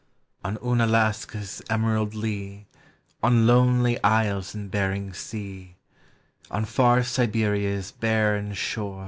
On Unalaska's emerald lea, On lonely isles in Bering Sea, On far Siberia's barren slim.